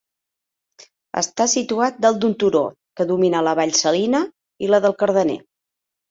Està situat dalt d'un turó que domina la vall salina i la del Cardener.